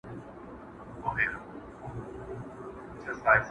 له پلرونو له نيكونو موږك خان يم!!